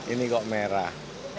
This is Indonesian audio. ini kok merah